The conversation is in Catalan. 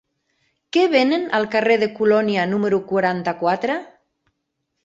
Què venen al carrer de Colònia número quaranta-quatre?